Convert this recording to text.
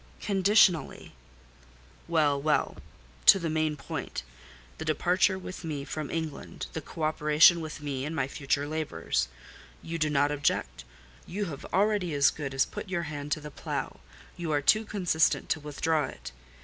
"Conditionally." "Well—well. To the main point—the departure with me from England, the co operation with me in my future labours—you do not object. You have already as good as put your hand to the plough: you are too consistent to withdraw it.